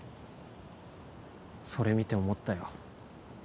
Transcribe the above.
それ見て思ったよ